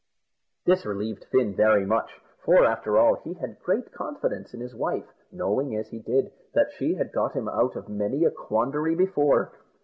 This relieved Fin very much; for, after all, he had great confidence in his wife, knowing, as he did, that she had got him out of many a quandary before.